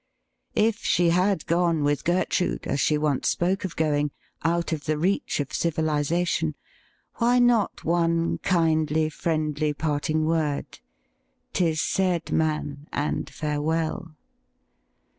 If she had gone with Gertrude, as she once spoke of going, out of the reach of civilization, why not one kindly, friendly parting word — "tis said, man, and farewell!'